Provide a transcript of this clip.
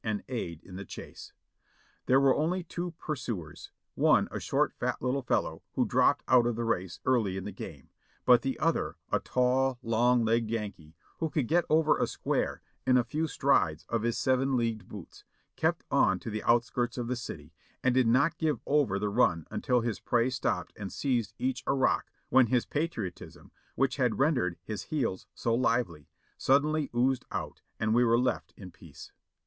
and aid in the chase. There were only two pur suers ; one, a short, fat little fellow, wdio dropped out of the race early in the game ; but the other, a tall, long legged Yankee, who could get over a square in a few strides of his seven leagued boots, kept on to the outskirts of the city, and did not give over the run until his prey stopped and seized each a rock, when his patriotism, which had rendered his heels so lively, suddenly oozed out and we were left in peace.